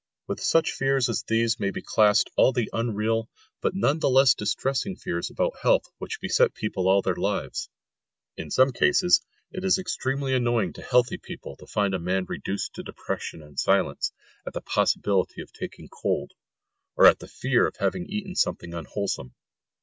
With such fears as these may be classed all the unreal but none the less distressing fears about health which beset people all their lives, in some cases; it is extremely annoying to healthy people to find a man reduced to depression and silence at the possibility of taking cold, or at the fear of having eaten something unwholesome.